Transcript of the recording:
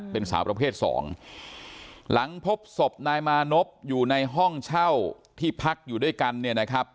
เป็นสาวประเภทสองหลังพบศพนายมานพอยู่ในห้องเช่าที่พักอยู่ด้วยกันเนี่ยนะครับ